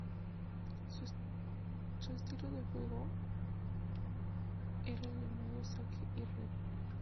Su estilo de juego era el llamado "saque y red".